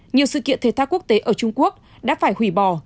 nhiều sự kiện thể thao quốc tế ở trung quốc đã phải hủy bỏ